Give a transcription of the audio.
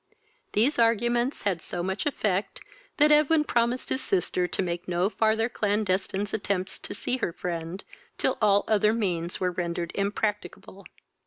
These arguments had so much effect, that Edwin promised his sister to make no farther clandestine attempts to see her friend, till all other means were rendered impracticable.